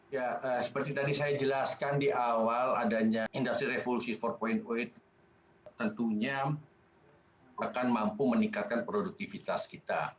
ya seperti tadi saya jelaskan di awal adanya industri revolusi empat itu tentunya akan mampu meningkatkan produktivitas kita